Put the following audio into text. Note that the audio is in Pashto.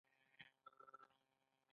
هغه هغې ته د خوږ مینه ګلان ډالۍ هم کړل.